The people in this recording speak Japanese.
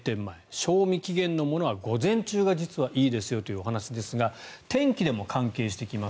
賞味期限のものは午前中が実はいいですというお話ですが天気でも関係してきます。